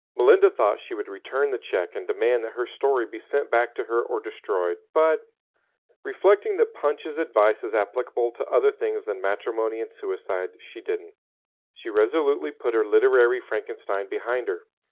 Melinda thought she would return the check and demand that her story be sent back to her or destroyed; but, reflecting that Punch's advice is applicable to other things than matrimony and suicide, she didn't. She resolutely put her literary Frankenstein behind her.